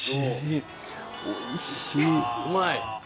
うまい？